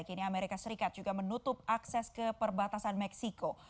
kini amerika serikat juga menutup akses ke perbatasan meksiko